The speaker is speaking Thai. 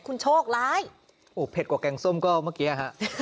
คุณโชคร้ายโอ้เผ็ดกว่าแกงส้มก็เมื่อกี้ฮะ